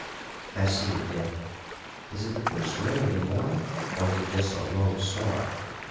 "I see it, Dick." "Is it the first ray of the morning, or is it just a low star?"